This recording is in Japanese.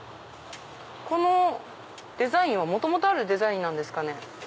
このデザインは元々あるデザインなんですかね？